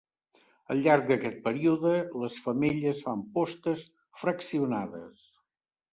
Al llarg d'aquest període, les femelles fan postes fraccionades.